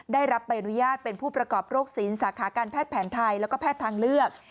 ได้รับใบอนุญาตเป็นผู้ประกอบโรคศีลสาขาการแพทย์แผนไทยแล้วก็แพทย์ทางเลือก